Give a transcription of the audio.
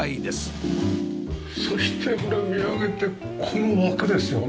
そしてこれ見上げてこの枠ですよね。